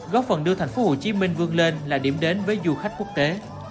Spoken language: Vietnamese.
góp phần đưa thành phố hồ chí minh vương lên là điểm đến với du khách quốc tế